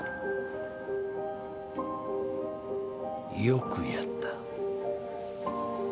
よくやった。